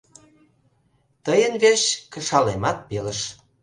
Тыйын верч кышалемат пелыш.